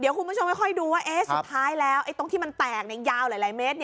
เดี๋ยวคุณผู้ชมค่อยดูว่าสุดท้ายแล้วตรงที่มันแตกยาวหลายเมตร